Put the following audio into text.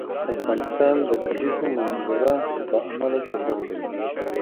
افغانستان د د کلیزو منظره له امله شهرت لري.